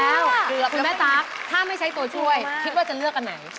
แล้วเหลือคุณแม่ตั๊กถ้าไม่ใช้ตัวช่วยคิดว่าจะเลือกอันไหน